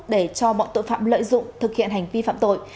để cho bọn tội phạm lợi dụng thực hiện hành vi phạm tội